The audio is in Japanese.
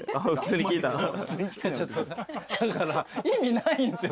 だから意味ないんすよ